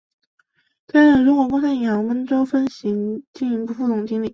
担任中国工商银行温州分行营业部副总经理。